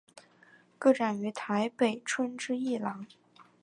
个展于台北春之艺廊。